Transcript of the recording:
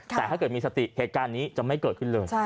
แต่ถ้าเกิดมีสติเหตุการณ์นี้จะไม่เกิดขึ้นเลย